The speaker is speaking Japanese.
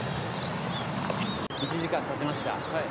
１時間たちました